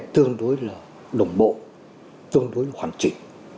tương đối là đồng bộ tương đối là hoàn chỉnh